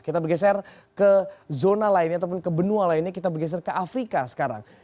kita bergeser ke zona lainnya ataupun ke benua lainnya kita bergeser ke afrika sekarang